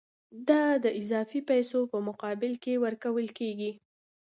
دا د اضافي پیسو په مقابل کې ورکول کېږي